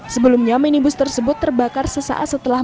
sebelumnya minibus tersebut terbakar sesaat setelah